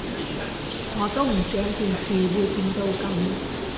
我都唔想件事會變到噉